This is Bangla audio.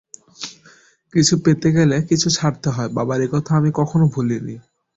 কিছু পেতে গেলে কিছু ছাড়তে হয়, বাবার একথা আমি কখনো ভুলিনি।